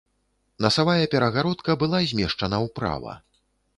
Насавая перагародка была змешчана ўправа.